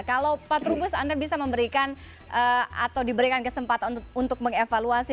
kalau pak trubus anda bisa memberikan atau diberikan kesempatan untuk mengevaluasi